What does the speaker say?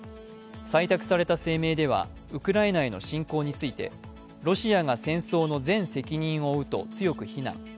採択された声明ではウクライナへの侵攻についてロシアが戦争の全責任を負うと強く非難。